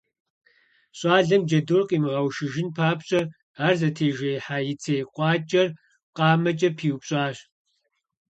Щӏалэм джэдур къимыгъэушыжын папщӀэ, ар зытежеихьа и цей къуакӀэр къамэкӀэ пиупщӀащ.